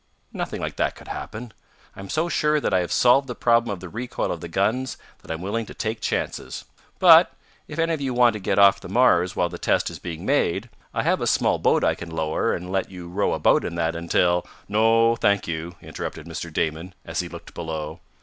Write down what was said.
"Nothing like that could happen. I'm so sure that I have solved the problem of the recoil of the guns that I'm willing to take chances. But if any of you want to get off the Mars while the test is being made, I have a small boat I can lower, and let you row about in that until " "No, thank you!" interrupted Mr. Damon, as he looked below.